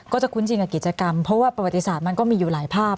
คุ้นจริงกับกิจกรรมเพราะว่าประวัติศาสตร์มันก็มีอยู่หลายภาพ